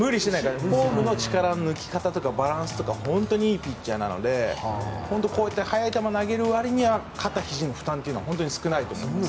フォームの力の抜き方とかバランスとか本当にいいピッチャーなので速い球を投げるわりには肩、ひじの負担というのは少ないと思います。